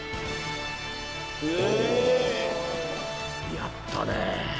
やったね］